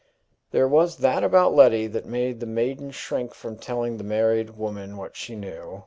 There was that about Letty that made the maiden shrink from telling the married woman what she knew.